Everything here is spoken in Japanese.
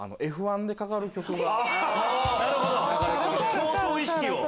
闘争意識を？